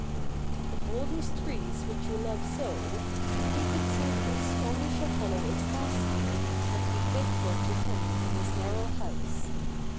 " Of all these trees which you love so, the hated cypress only shall follow its master, and be faithful to him in his narrow house."